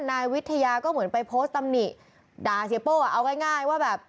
นายวิทยาก็เหมือนไปโพสต์ตำหนิด่าเสียโป้อ่ะเอาง่ายว่าแบบ